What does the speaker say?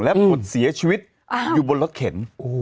และคนเสียชีวิตอยู่บนรถเข็น